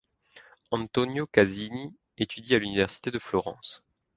Antonio Casini étudie à l'université de Florence.